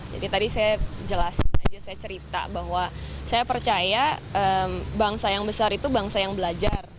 tadi saya jelasin aja saya cerita bahwa saya percaya bangsa yang besar itu bangsa yang belajar